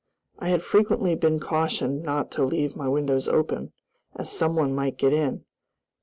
I had frequently been cautioned not to leave my windows open, as someone might get in.